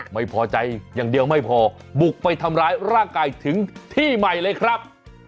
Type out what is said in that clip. ไม่พอใจอย่างเดียวไม่พอบุกไปทำร้ายร่างกายถึงที่ใหม่เลยครับ